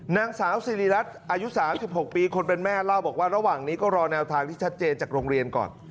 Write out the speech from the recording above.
นางสาวสิริรัตน์อายุ๓๖ปีคนเป็นแม่เล่าบอกว่าระหว่างนี้ก็รอแนวทางที่ชัดเจนจากโรงเรียนก่อน